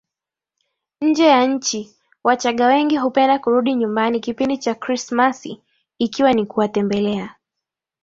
nje ya nchiWachagga wengi hupenda kurudi nyumbani kipindi cha Krismasi ikiwa ni kuwatembelea